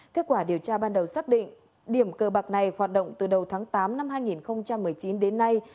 kết quả điều tra ban đầu xác định điểm cơ bạc này hoạt động từ đầu tháng tám năm hai nghìn một mươi chín đến nay